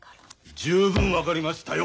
十分分かりましたよ。